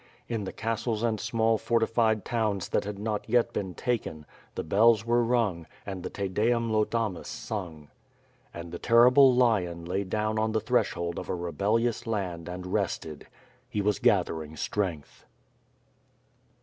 In the castles and smalled fortified towns that had not yet been taken, the bells were rung and the Te Deum Laudamus sung. And the terrible lion lay down on the threshold of a re bellious land and rested. He was gathering strength.